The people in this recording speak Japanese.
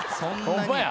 ホンマや。